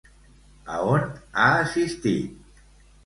A on ha assistit?